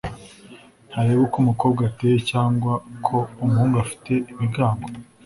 ntareba uko umukobwa ateye cyangwa ko umuhungu afite ibigango